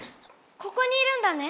ここにいるんだね。